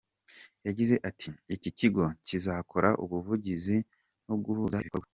Yagize ati “Iki kigo, kizakora ubuvugizi no guhuza ibikorwa.